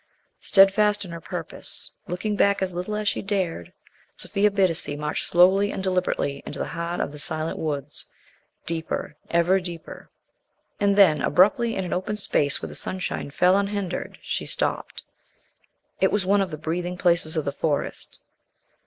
Steadfast in her purpose, looking back as little as she dared, Sophia Bittacy marched slowly and deliberately into the heart of the silent woods, deeper, ever deeper. And then, abruptly, in an open space where the sunshine fell unhindered, she stopped. It was one of the breathing places of the forest.